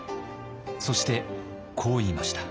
そしてこう言いました。